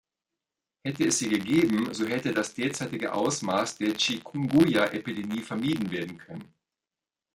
Hätte es sie gegeben, so hätte das derzeitige Ausmaß der Chikungunya-Epidemie vermieden werden können.